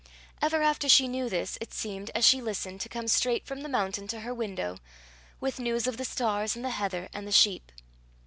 Ever after she knew this, it seemed, as she listened, to come straight from the mountain to her window, with news of the stars and the heather and the sheep.